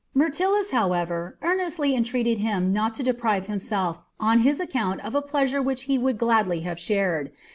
Myrtilus, however, earnestly entreated him not to deprive himself on his account of a pleasure which he would gladly have shared.